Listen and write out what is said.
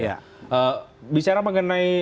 iya bicara mengenai